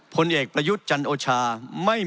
ผลเอกประยุทธ์จันโอชา